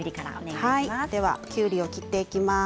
きゅうりを切っていきます。